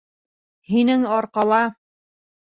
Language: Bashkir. Һинең арҡала.